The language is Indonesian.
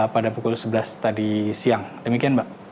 pada pukul sebelas tadi siang demikian mbak